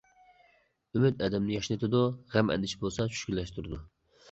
ئۈمىد ئادەمنى ياشنىتىدۇ، غەم-ئەندىشە بولسا چۈشكۈنلەشتۈرىدۇ.